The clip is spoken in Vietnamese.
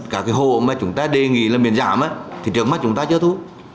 cả cái hộ mà chúng ta đề nghị là miền giảm thì trước mắt chúng ta chưa thu